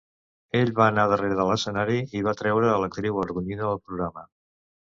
Ell va anar darrere de l'escenari i va treure a l'actriu avergonyida al programa.